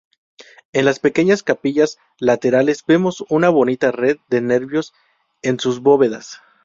En las pequeñas capillas laterales vemos una bonita red de nervios en sus bóvedas.